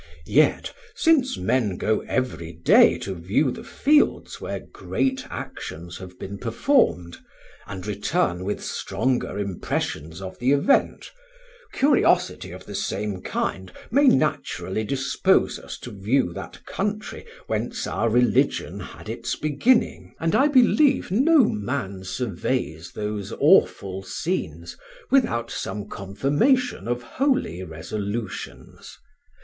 Yet, since men go every day to view the fields where great actions have been performed, and return with stronger impressions of the event, curiosity of the same kind may naturally dispose us to view that country whence our religion had its beginning, and I believe no man surveys those awful scenes without some confirmation of holy resolutions.